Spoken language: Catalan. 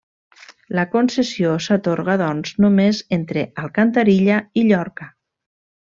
La concessió s'atorga, doncs, només entre Alcantarilla i Llorca.